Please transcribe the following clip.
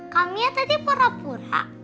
kamiah tadi pura pura